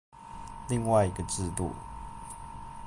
另外一個制度